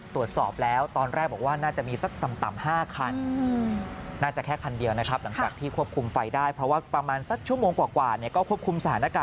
ตรวจสอบแล้วตอนแรกบอกว่าน่าจะมีสัก